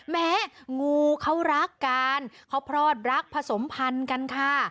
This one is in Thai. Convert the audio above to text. งูเขารักกันเขาพลอดรักผสมพันธุ์กันค่ะ